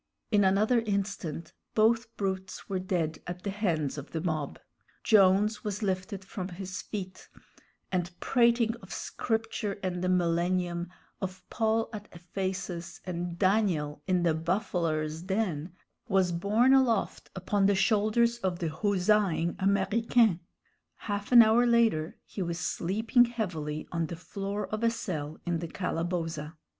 In another instant both brutes were dead at the hands of the mob; Jones was lifted from his feet, and prating of Scripture and the millennium, of Paul at Ephesus and Daniel in the "buffler's" den, was borne aloft upon the shoulders of the huzzaing Américains. Half an hour later he was sleeping heavily on the floor of a cell in the calaboza.